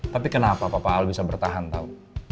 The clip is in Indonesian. tapi kenapa papa al bisa bertahan tahu